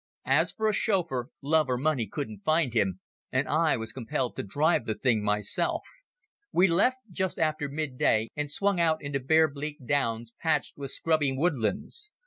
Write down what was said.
As for a chauffeur, love or money couldn't find him, and I was compelled to drive the thing myself. We left just after midday and swung out into bare bleak downs patched with scrubby woodlands.